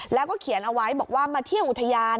แล้วก็เขียนเอาไว้บอกว่ามาเที่ยวอุทยาน